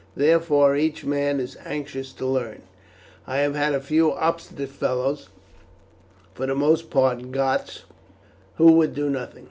Therefore, each man is anxious to learn. I have had a few obstinate fellows, for the most part Goths, who would do nothing.